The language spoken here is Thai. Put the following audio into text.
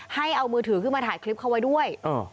ให้เอามือถือขึ้นมาถ่ายคลิปเขาไว้ด้วย